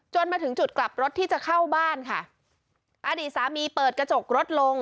มาถึงจุดกลับรถที่จะเข้าบ้านค่ะอดีตสามีเปิดกระจกรถลง